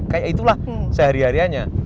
kayak itulah sehari harianya